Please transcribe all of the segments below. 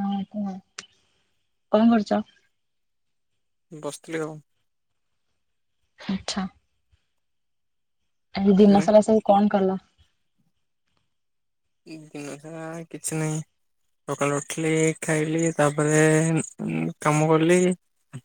ହଁ କଣ କରୁଚ? ବସିଥିଲି ଆଉ। ଆଚ୍ଛା। ଆଜି ଦିନ ତୁମେ? ସାରା ସବୁ କଣ କଲ? ଦିନସାରା କିଛି ନାହିଁ। ସକାଳୁ ଉଠିଲି ଖାଇଲି ତାପରେ କାମ କଲି।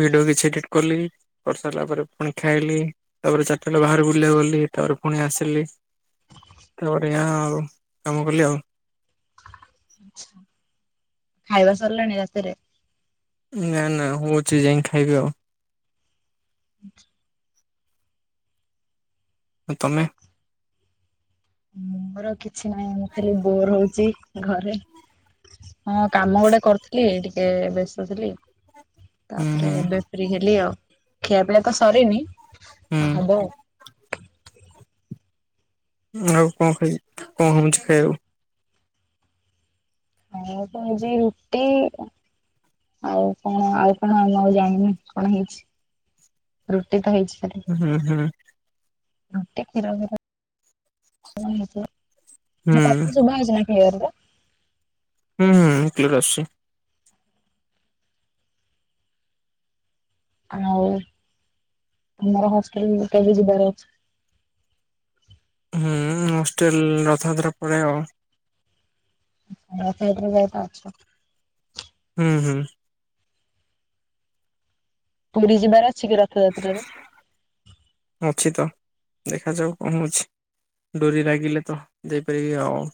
ଭିଡିଓ କିଛି ଏଡିଟ୍ କଲି। କରି ସାରିଲା ପରେ ପୁଣି ଖାଇଲି, ତାପରେ ଚାରିଟା ବାହାରେ ବୁଲିବାକୁ ଗଲି ତାପରେ ପୁଣି ଆସିଲି। ତାପରେ ଏହା ଆଉ କାମ କଲି ଆଉ। ଖାଇବା ସରିଲାଣି ରାତିରେ? ନା ନା ହୋଉଚି ଯାଇକି ଖାଇବି ଆଉ। ଆଚ୍ଛା। ତମେ? ମୋର କିଛି ନହିଁ ମୁଁ ଖାଲି ବୋର ହୋଉଚି ଘରେ। ହଁ କାମ ଗୋଟେ କରିଥିଲି ଟିକେ ବ୍ୟସ୍ତ ଥିଲି। ହୁଁ ତାପରେ ହୁଁ ଏବେ ଫ୍ରି ହେଲି ଆଉ ଖିଆ ପିଇଆ ତ ସରିନି ହୁଁ ହବ ଆଉ। ଆଉ କଣ ଖାଇ କଣ ହୋଉଚି ଖାଇବାକୁ? ଆଉ ତ ଜି ରୁଟି ଆଉ କଣ ଆଉ କଣ ଆ ମୁଁ ଆଉ ଜାଣିନି କଣ ହେଇଚି ରୁଟି ତ ହେଇଚି। ହୁଁ ହୁଁ। [unintelligible] କଣ ହେଇଥିବ ହୁଁ ମୋ କଥା ସୁବା ଯାଉଅଚି ନା କ୍ଲିୟର ରେ। ହୁଁ ହୁଁ କ୍ଲିୟର ଆଶୁଛି। ଆଉ ତମର ହଷ୍ଟେଲ କେବେ ଯିବାର ଅଛି? ହୁଁ ହଷ୍ଟେଲ ରଥାଯାତ୍ରା ପରେ ଆଉ। ରଥ ଯାତ୍ରା [unintelligible] ହୁଁ ହୁଁ। ପୁରୀ ଯିବାର ଅଛି କି ରଥଯାତ୍ରାରେ? ଅଛି ତ ଦେଖାଯାଉ କଣ ହୋଉଚି। ଡୋରି ଲାଗିଲେ ତ ଯାଇପାରିବି ଆଉ।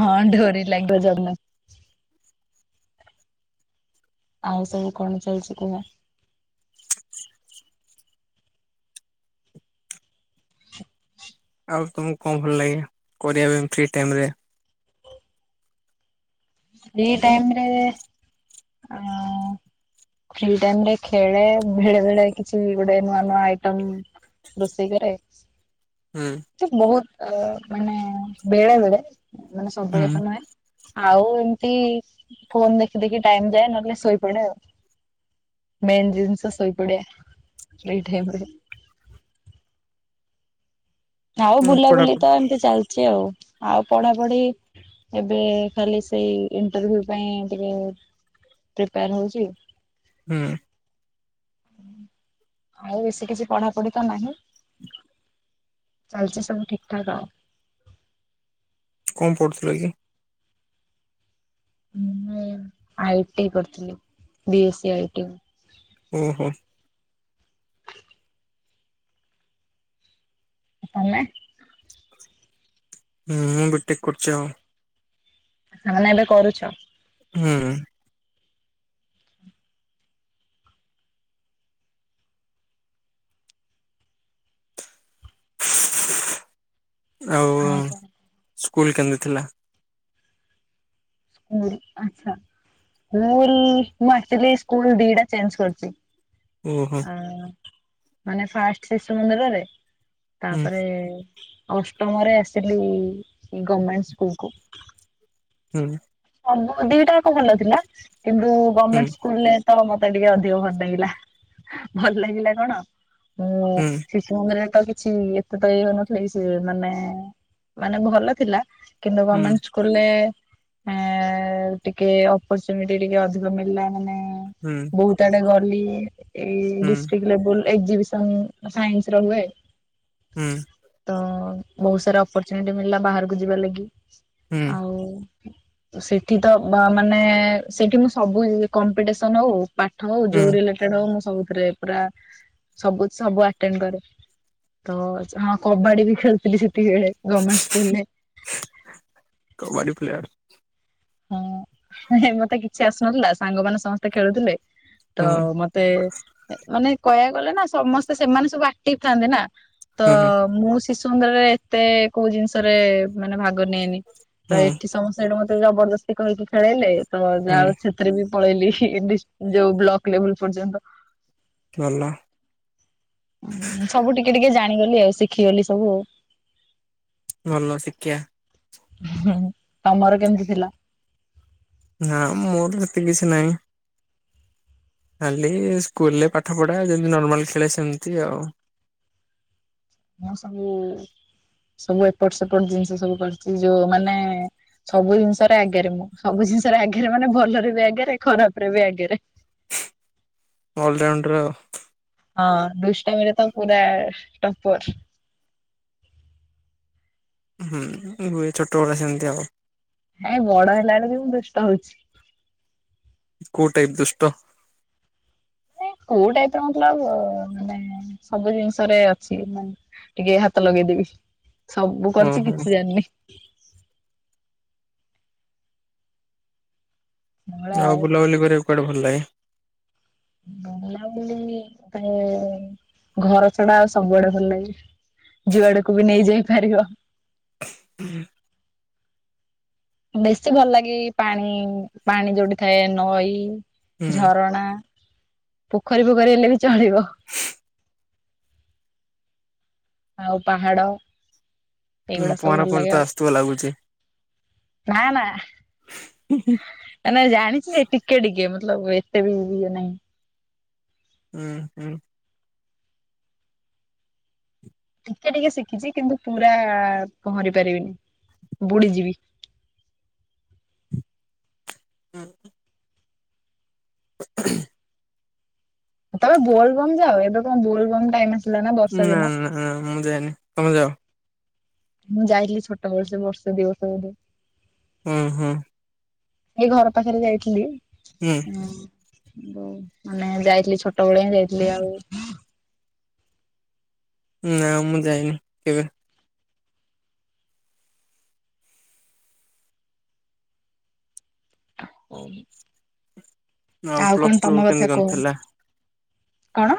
ହଁ ଢୋରି ଲାଗିବ [unintelligible] ଆଉ ସବୁ କଣ ଚାଲିଚି ଏଈନା। ଆଉ ତମକୁ କଣ ଭଲ ଲାଗେ କରିବା ପାଇଁ ଫ୍ରି ଟାଇମ ରେ? ଫ୍ରି ଟାଇମିରେ ଆ ଫ୍ରି ଟାଇମରେ ଖେଳେ, ବେଳେବେଳେ କିଛି ଗୋଟେ ନୂଆ ନୂଆ ଆଇଟମ୍ ରୋଷେଇ କରେ ଆଉ। ହୁଁ। ଏମତି ବହୁତ ଅ ମାନେ ବେଳେବେଳେ ମାନେ ସବୁବେଳେ ତ ନୁହେଁ। ଆଉ ଏମତି ଫୋନ ଦେଖି ଦେଖି ଟାଇମ ଯାଏ, ନହେଲେ ଶୋଇପଡେ ଆଉ। ମେନ୍ ଜିନିଷ ଶୋଇପଡ଼ିଆ ଫ୍ରି ଟାଇମରେ। ଆଉ ହୁଁ ବୁଲାବୁଲି ପଢାପଢି ତ ଏମତି ଚାଲିଛି ଆଉ। ଆଉ ପଢାପଢି, ଏବେ ଖାଲି ସେଇ ଇଣ୍ଟରଭି୍ୟୁ ପାଇଁ ଟିକେ ପ୍ରିପେୟାର ହଉଛି ହୁଁ। ଆଉ ବେଶୀ କିଛି ପଢାପଢି ତ ନାହିଁ ଚାଲଛି ସବୁ ଠିକ ଠାକ ଆଉ। କଣ ପଢ଼ୁଥିଲ କି? ମୁଁ ଆଇ ଟି କରିଥିଲି, ବି ଏସି ଆଇ ଟି। ଓ ହ। ତମେ? ମୁଁ ବି ଟେକ୍ କରୁଛି ଆଉ। ତାମାନେ ଏବେ କରୁଛ? ହୁଁ। ଆଉ ସ୍କୁଲ କେନ୍ତି ଥିଲା? ଓ ଆଚ୍ଛା। ସ୍କୁଲ, ମୁଁ ଆକ୍ଚୁଆଲି ସ୍କୁଲ ଦିଟା ଚେଞ୍ଜ କରିଛି। ଓହୋ। ହଁ। ମାନେ ଫାଷ୍ଟ ଶିଶୁ ମନ୍ଦିରରେ, ହୁଁ ତାପରେ ଅଷ୍ଟମରେ ଆସିଲି ଗମେଣ୍ଟ ସ୍କୁଲକୁ। ହୁଁ। ସବୁ ଦିଟା ଯାକ ଭଲ ଥିଲା କିନ୍ତୁ ହୁଁ ଗମେଣ୍ଟ ସ୍କୁଲରେ ତ ମତେ ଟିକେ ଅଧିକ ଭଲ ଲାଗିଲା। ଭଲ ଲାଗିଲା କଣ, ମୁଁ ହୁଁ ହୁଁ ଯୋଉମାନେ ତ କିଛି ଏତେ ତ ଏଇ ହଉନଥିଲା ସିଏ ମାନେ ମାନେ ଭଲ ଥିଲା କିନ୍ତୁ ହୁଁ ଗମେଣ୍ଟ ସ୍କୁଲରେ ମାନେ ଟିକେ ଅପର୍ଚୁନିଟି ଟିକେ ଅଧିକ ମିଳିଲା ମାନେ ହୁଁ। ବହୁତ ଆଡେ ଗଲି, ଏଇ ହୁଁ ଡିଷ୍ଟ୍ରିକ ଲେବୁଲ ଏକ୍ଜିବିସନ ସାଇନ୍ସର ହୁଏ ହୁଁ। ତ ବହୁତ ସାରା ଅପରଚୁନିଟି ମିଳିଲା ବାହାରକୁ ଯିବାର ଲାଗି। ହୁଁ ଆଉ ସେଠି ତ ବା ମାନେ ସେଠି ମୁଁ ସବୁ ଜିନି କମ୍ପିଟିସନ ହଉ, ପାଠ ହଉ, ଯୋଉ ରିଲେଟେ ଟେଡ୍ ହଉ, ମୁଁ ସବୁଥିରେ ପୁରା ସବୁ ସବୁ ଆଟେଣ୍ଡ କରେ। ତ ହଁ କବାଡି ବି ଖେଳୁଥିଲି ସେତିକିବେଳେ ଗମେଣ୍ଟ ସ୍କୁଲରେ। କବାଡ଼ି ପ୍ଲେୟର। ହଁ ନାଇଁ ମତେ କିଛି ଆସୁନଥିଲା, ସାଙ୍ଗମାନେ ସମସ୍ତେ ଖେଳୁଥିଲେ, ତ ହୁଁ ମତ ତେ ମାନେ କହିଆକୁ ଗଲେ ନା ସମସ୍ତେ ସେମାନେ ସବୁ ଆକ୍ଟିଭ ଥାଆନ୍ତି ନା ତ ହୁଁ ମୁଁ ଶିଶୁ ମନ୍ଦିରରେ ଏତେ କୋଉ ଜିନିଷରେ ମାନେ ଭାଗ ନିଏନି। ତ ହୁଁ ଏଠି ସମସ୍ତେ ଏଇଠୁ ମତେ ଜବରଦସ୍ତି କହିକି ଖେଳେଇଲେ, ତ ହୁଁ ଯାହାହଉ ସେଥିରେ ବି ପଳେଇଲି, ଯୋଉ ବ୍ଲକ ଲେବଲ ପର୍ଯ୍ୟନ୍ତ। ଭଲ। ହଁ, ସବୁ ଟିକେ ଟିକେ ଜାଣିଗଲି ଆଉ ଶିଖିଗଲି ସବୁ ଆଉ। ଭଲ ଶିଖିଆ। ହୁଁ, ତମର କେମିତି ଥିଲା? ନାଁ ମୋର ହେତେ କିଛି ନାହିଁ। ଖାଲି ସ୍କୁଲରେ ପାଠ ପଢ଼ା, ଯେମତି ନର୍ମାଲ ଖେଳିଆ ସେମତି ଆଉ। ମୁଁ ସବୁ ସବୁ ଏପଟ ସେପଟ ଜିନିଷ ସବୁ କରିଛି ଯୋଉମାନେ ସବୁ ଜିନିଷରେ ଆଗରେ ମୁଁ ସବୁ ଜିନିଷରେ ଆଗରେ ମାନେ ଭଲରେ ବି ଆଗରେ ଖରାପ ରେ ବି ଆଗରେ। ଅଲରାଉଣ୍ଡର ଆଉ। ହଁ ଦୁଷ୍ଟାମି ରେ ତ ପୁରା ଟପର। ହୁଁ ହୁଏ ଛୋଟବେଳେ ସେମତି ଆଉ। ହେଁ ବଡ ହେଲା ବେଳେ ବି ମୁଁ ଦୁଷ୍ଟ ହଉଛି। କୋଉ ଟାଇପ୍ ଦୁଷ୍ଟ? ମାନେ କୋଉ ଟାଇପ ର ମତଲବ ଅ ମାନେ ସବୁ ଜିନିଷରେ ଅଛି ମାନେ ଟିକେ ହାତ ଲଗେଇଦେବି ସବୁ କରିଛି ଓହୋ କିଛି ଜାଣିନି। ଆଉ ବୁଲାବୁଲି କରିବାକୁ କୁଆଡେ ଭଲ ଲାଗେ? ବୁଲାବୁଲି ପାଇଁ ଘର ଛଡା ଆଉ ସବୁଆଡେ ଭଲ ଲାଗେ। ଯୁଆଡକୁ ବି ନେଇ ଯାଇ ପାରିବ। ବେଶୀ ଭଲ ଲାଗେ ପାଣି, ପାଣି ଯୋଉଠି ଥାଏ, ନଈ, ଝରଣା। ପୋଖରୀ ପୋଖରୀ ହେଲେ ବି ଚଳିବ। ଆଉ ପାହାଡ। ହୁଁ ଏଇଗୁଡା ସବୁ ପହଁରା ଭଲ ପହଁରି ଲାଗେ ତ ଆଉ। ଆସୁଥିବ ଲାଗୁଛି। ନା ନା। ନା ଜାଣିଛି ଯେ ଟିକେ ଟିକେ ମତଲବ ଏତେ ବି ଇଏ ନାଇଁ। ଉମ ଉମ। ଟିକେ ଟିକେ ଶିଖିଛି କିନ୍ତୁ ପୁରା ପହଁରି ପାରିବିନି, ବୁଡିଯିବି। ହୁଁ। ତମେ ବୋଲବମ ଯାଅ। ଏବେ କଣ ବୋଲବମ ଟାଇମ ଆ ନା ନା ନା ମୁଁ ଯାଏନି। ତମେ ଯାଅ। ମୁଁ ଯାଇଥିଲି ଛୋଟ ବେଳେ ସେ ବର୍ଷେ ଦି ବର୍ଷ ବୋଧେ। ହୁମ ହୁମ। ଏଇ ଘର ପାଖରେ ଯାଇଥିଲି ହୁଁ ଉମ ମାନେ ଯାଇଥିଲି ଛୋଟ ବେଳେ ହିଁ ଯାଇଥିଲି ଆଉ ନା ମୁଁ ଯାଇନି କେବେ। ହ ଆଉ ପ୍ଲସ କଣ ଟୁ ତମ କେମିତି କଥା କଣ କୁହ? ଥିଲା? କଣ?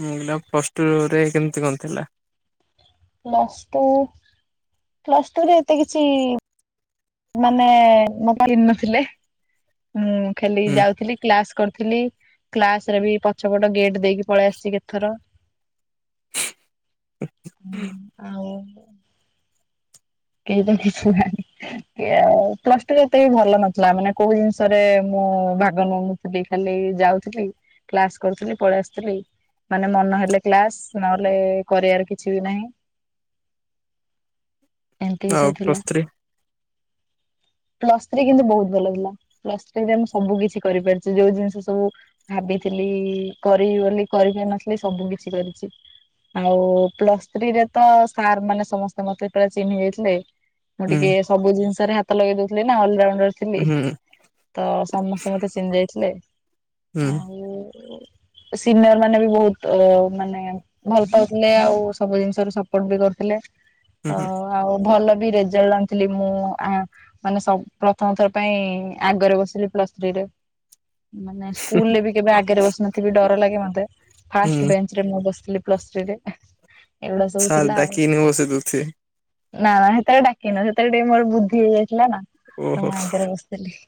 ମୁଁ କହିଲି ଆଉ ପ୍ଲସ ଟୁ ର ରେ କେମିତି କଣ ଥିଲା? ପ୍ଲସ୍ ଟୁ ପ୍ଲସ୍ ଟୁ ରେ ଏତେ କିଛି ମାନେ ମୋବାଇଲ ନଥିଲେ। ମୁଁ ଖାଲି ହୁଁ ଯାଉଥିଲି। କ୍ଲାସ କରିଥିଲି। କ୍ଲାସ ରେ ବି ପଛପଟ ଗେଟ୍ ଦେଇକି ପଳେଇ ଆସିଛି କେତଥର। ହୁମ ଆଉ କେହି ତ କିଛୁ ହେଇନି। ହେନ୍ତି ଆଉ। ପ୍ଲସ ଟୁ ଏତେ ବି ଭଲ ନଥିଲା ମାନେ କୋଉ ଜିନିଷରେ ମୁଁ ଭାଗ ନଉନ ଖାଲି ଖାଲି ଯାଉଥିଲି। କ୍ଲାସ କରୁଥିଲି ପଳେଇ ଆସୁଥିଲି। ମାନେ ମନ ହେଲେ କ୍ଲାସ ନହେଲେ କରିବାର କିଛି ବି ନାହିଁ। ଏମିତି ଆଉ ସବୁ ପ୍ଲସ ଥିଲା। ଥ୍ରୀ ପ୍ଲସ୍ ଥ୍ରୀ କିନ୍ତୁ ବହୁତ ଭଲ ଥିଲା। ପ୍ଲସ ଥ୍ରୀ ରେ ମୁଁ ସବୁ କିଛି କରିପାରିଛି ଯୋଉ ଜିନିଷ ସବୁ ଭାବିଥିଲି କରିିବି ବୋଲି କରିପାରିନଥିଲି ସବୁ କିଛି କରିଛି। ଆଉ ପ୍ଲସ୍ ଥ୍ରୀ ରେ ତ ସାର୍ ମାନେ ସମସ୍ତେ ମତେ ପୁରା ଚିହ୍ନି ଯାଇଥିଲେ। ମୁଁ ହୁଁ ଟିକେ ସବୁ ଜିନିଷରେ ହାତ ଲଗେଇ ଦଉଥିଲି ନା ଅଲରା ଉଣ୍ଡର ଥିଲି ହୁଁ ତ ସମସ୍ତେ ମତେ ଚିହ୍ନି ଯାଇଥିଲେ। ହୁଁ ଆଉ ସିନିୟର ମାନେ ବି ବହୁତ ଅ ମାନେ ଭଲ ପାଉଥିଲେ ଆଉ ସବୁ ଜିନିଷ ରୁ ସପୋର୍ଟ ବି କରୁଥିଲେ। ହୁଁ ଅ ହୁଁ। ଆଉ ଭଲ ବି ରେଜଲ୍ଟ ଆଣିଥିଲି ମୁଁ ଆଁ ମାନେ ସ ପ୍ରଥମ ଥର ପାଇଁ ଆଗରେ ବସିଲି ପ୍ଲସ ଥ୍ରୀରେ। ମାନେ ସ୍କୁଲ ରେ ବି କେବେ ଆଗରେ ବସିନଥିବି ଡର ଲାଗେ ମତେ ଫାଷ୍ଟ ହୁଁ ବେଞ୍ଚ ଥିରେ ମୁଁ ବସିଥିଲି ପ୍ଲସ୍ ଥ୍ରୀରେ। ଏଗୁଡା ସବୁ ଥିଲା ଆଉ। [unintelligible] ନା ନା ହେତେବେଳେ ଡାକିନ ସେତେବେଳେ ଟିକେ ମୋର ବୁଦ୍ଧି ହେଇଯାଇଥିଲା ନା ତ ଓହୋ ମୁଁ ଆଗରେ ବସିଥିଲି।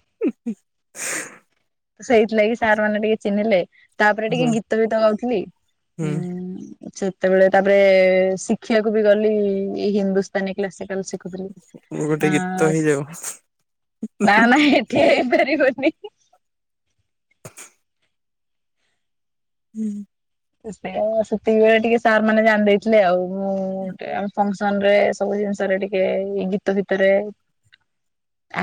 ସେଇଥିଲାଗି ସାର୍ ମାନେ ଟିକେ ଚିହ୍ନିଲେ। ତାପରେ ଟିକେ ହୁଁ ଗୀତ ଗୀତ ଗାଉଥିଲିଁ। ହୁଁ ଛ ସେତେବେଳେ ତାପରେ ଶିଖିବାକୁ ବି ଗଲି ହିନ୍ଦୁସ୍ତାନୀ କ୍ଲାସିକାଲ ସିଖ୍ ଗୋଟେ ଗୀତ ହେଇଯାଉ ନା ନା ହେଠୀ ହେଇପାରିବନି। ହ ହୁଁ। ସେଉ ସେତିକିିବେଳେ ଟିକେ ସାର୍ ମାନେ ଜାଣି ଦେଇଥିଲେ ଆଉ। ମୁଁ ଗୋଟେ ଆମେ ଫଂକ୍ ରେ ସବୁ ଜିନିଷରେ ଟିକେ ଗୀତ ଫିତରେ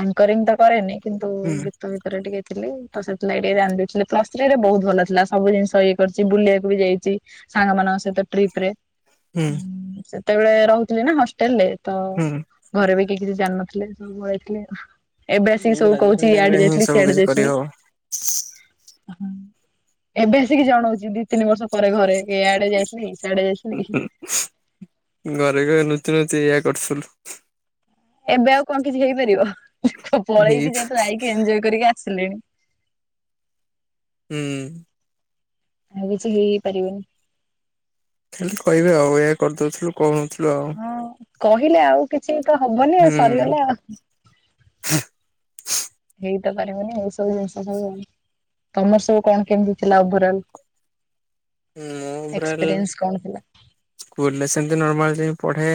ଆଙ୍କରିଂ ତ କରେନି କିନ୍ତୁ ହୁଁ ଗୀତ ଭିତରେ ଟିକେ ଥିଲି ସେଥିଲାଗି ଟିକେ ରାନ୍ଧୁଥିଲି ପ୍ଲ ସ ଥ୍ରୀ ରେ ବହୁତ ଭଲ ସବୁ ଜିନିଷ ଇଏ କରିଛି ବୁଲିବାକୁ ମୁଁ ଯାଇଛି ସାଙ୍ଗ ମାନଙ୍କ ସହିତ ଟ୍ରିପ ରେ। ହୁଁ ସେତେବେଳେ ରହୁଥିଲି ନା ହଷ୍ଟେଲ ରେ ତ ହୁଁ। ଘରେ ବି କେହି କିଛି ଜାଣିନଥିଲେ ସବୁ ଘରେ ଥିଲେ। ଏବେ ଆସିକି ଏଇ ସବୁ କହୁଛି ଗ୍ରାଜୁଏସନ ଟାଇମ ରେ ଇଆଡେ ହିଁ ଯାଇଥିଲି ସବୁ ସିଆଡେ କିଛି ଯାଇଥିଲି। କରିହବ ହଁ ଏବେ ଆସିକି ଜଣଉଛି ଦି ତିନି ବର୍ଷ ପରେ ଘରେ ଇଆଡେ ଯାଇଥିଲି। ସିଆଡେ ଯାଇଥିଲି ଘରେ କହିବେ ନୁଚି ନୁଚି ଏଇୟା କରୁଥିଲୁ। ଏବେ ଆଉ କଣ କିଛି ହେଇପାରିବ ହେଇ ପଳେଇକି ଯେତୁ ଆଇକି ଏଞଜୟ କରିକି ଆସିଲିଣି। ହୁଁ। ଆଉ କିଛି ହେଇ ହେଇପାରିବନି। ଖାଲି କହିବେ ଆଉ ଏଇଆ କରିଦୋଉଥିଲୁ କହୁନଥିଲୁ ଆଉ। ହଁ କହିଲେ ଆଉ କିଛି ତ ହବନି ଆଉ ହୁଁ। ସରିଗଲା ଆଉ। [inaudible] ହେଇତ ପାରିବନି ଏଇସବୁ ଜିନିଷ ସବୁ ଆଉ। ତମର ସବୁ କଣ କେମିତି ଥିଲା ଓଭରଲ୍? ମୁଁ ପୁରା ଏକ୍ସପିରିଏନ୍ସ କଣ ଥିଲା? ସ୍କୁଲରେ ସେମିତି ନର୍ମାଲ ଯାଇକି ପଢେ।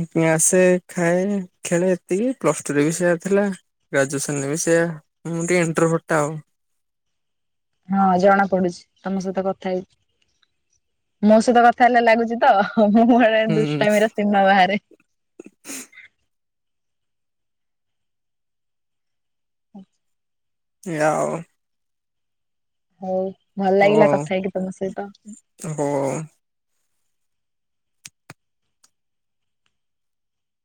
ଫୁଣି ଆସେ ଖାଏ ଖେଳେ ଏତିକି ପ୍ଲସ ଟୁ ରେ ବି ସେଇଆ ଥିଲା। ଗ୍ରାଜୁଏସନ ରେ ବି ସେୟା ମୁଁ ଟିକେ ଇଣ୍ଟେର୍ଭଟ ଆଉ। ହଁ ଜଣା ପଡୁଛି ତମ ସହିତ କଥା ହେଇକି। ମୋ ସହିତ କଥା ହେଲେ ଲାଗୁଛି ତ ମୁଁ ଗୋଟେ ହୁଁ ଦୁଷ୍ଟାମିର ସିମା ବାହାରେ। ଆଚ୍ଛା। ଏଇଆ ଆଉ। ହଉ ଭଲ ଲାଗିଲା କଥା ହେଇକି ତମ ସହିତ। ଓହଃ।